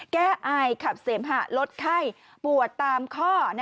แก้ไอขับเสมหาลดไข้ปวดตามข้อ